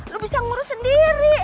lo bisa ngurus sendiri